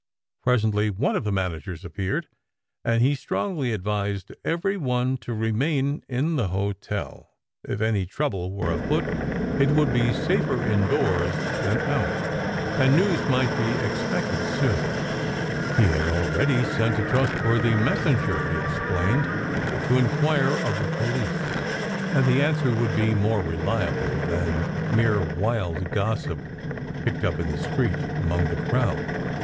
Pres ently one of the managers appeared, and he strongly ad vised every one to remain in the hotel. If any trouble were afoot, it would be safer indoors than out, and news might be expected soon. He had already sent a trust 116 SECRET HISTORY worthy messenger, he explained, to inquire of the police, and the answer would be more reliable than mere wild gossip picked up in the street, among the crowd.